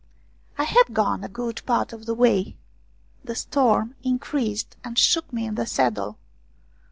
I had gone a good part of the way. The storm increased and shook me in the saddle.